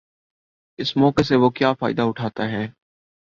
اس موقع سے وہ کیا فائدہ اٹھاتا ہے۔